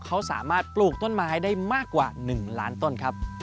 เขาสามารถปลูกต้นไม้ได้มากกว่า๑ล้านต้นครับ